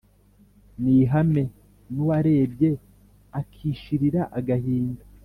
Ni ihame ry'uwarebye Akishirira agahinda.